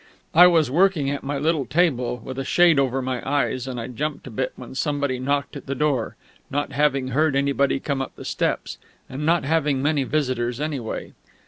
I was working at my little table, with a shade over my eyes; and I jumped a bit when somebody knocked at the door not having heard anybody come up the steps, and not having many visitors anyway.